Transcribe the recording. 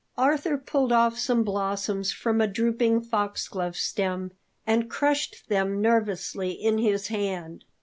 Arthur pulled off some blossoms from a drooping foxglove stem and crushed them nervously in his hand.